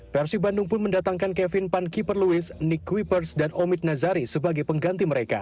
persi bandung pun mendatangkan kevin pankieper lewis nick kwiperz dan omid nazari sebagai pengganti mereka